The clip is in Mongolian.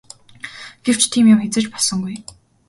Гэвч тийм юм хэзээ ч болсонгүй.